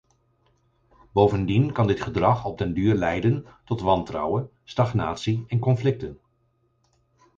Bovendien kan dit gedrag op den duur leiden tot wantrouwen, stagnatie en conflicten.